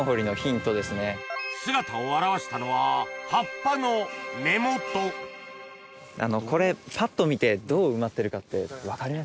姿を現したのはこれパッと見てどう埋まってるかって分かります？